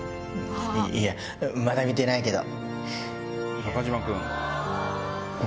いやまだ見てないけど。